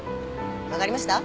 分かりました？